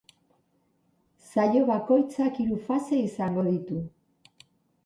Saio bakoitzak hiru fase izango ditu.